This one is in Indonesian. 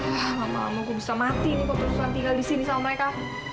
gak mau gak mau gue bisa mati nih kok terus susah tinggal disini sama mereka